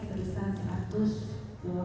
seriusan satu ratus dua puluh tujuh juta